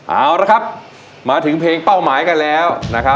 เอาละครับมาถึงเพลงเป้าหมายกันแล้วนะครับ